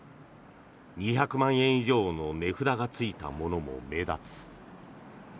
２００万円以上の値札がついたものも目立つ。